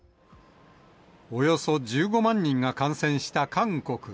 およそ１５万人が感染した韓国。